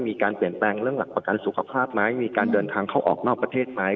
มีการเปลี่ยนแปลงเรื่องหลักประกันสุขภาพไหมมีการเดินทางเข้าออกนอกประเทศไหม